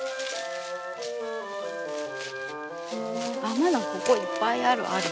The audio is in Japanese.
まだここいっぱいあるある。